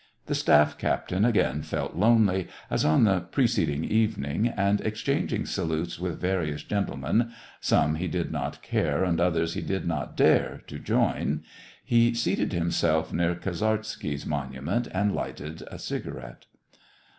The staff captain again felt lonely, as on the preceding evening, and, ex chano^ino salutes with various orentlemen, — some 00 »» he did not care, and others he did not dare, to join,— he seated himself near Kazarsky's mon ument, and lighted a cigarette.